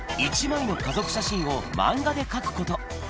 １枚の家族写真を漫画で描くこと。